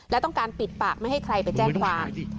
และต้องการปิดปากไม่ให้ใครไปแจ้งความ